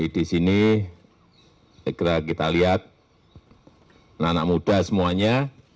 di sini segera kita lihat anak anak muda semuanya